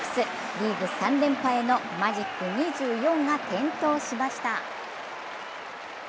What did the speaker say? リーグ３連覇へのマジック２４が点灯しました。